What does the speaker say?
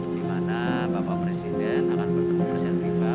dimana bapak presiden akan bertemu presiden viva